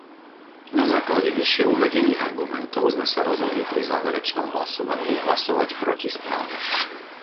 Na základe vyššie uvedených argumentov sme sa rozhodli pri záverečnom hlasovaní hlasovať proti správe.